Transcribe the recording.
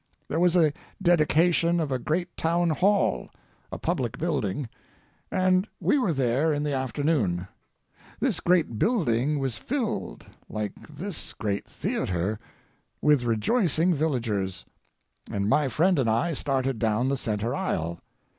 There was a dedication of a great town hall, a public building, and we were there in the afternoon. This great building was filled, like this great theatre, with rejoicing villagers, and my friend and I started down the centre aisle.